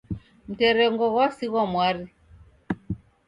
Mterengo ghwasighwa mwari